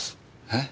え？